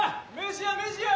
飯や飯や！